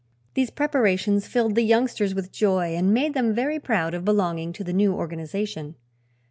These preparations filled the youngsters with joy and made them very proud of belonging to the new organization.